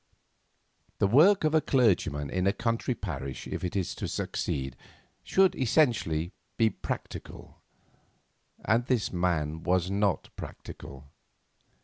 The work of a clergyman in a country parish if it is to succeed, should be essentially practical, and this man was not practical.